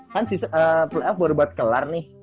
kan playoff baru buat kelar nih